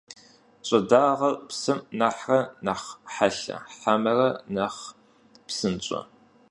Ş'ıdağer psım nexhre nexh helhe hemere nexh psınş'e?